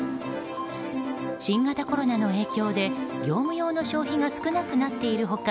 新型コロナの影響で業務用の消費が少なくなっている他